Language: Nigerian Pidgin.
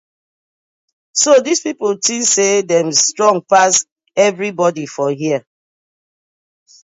So dis pipu tink say dem strong pass everibodi for here.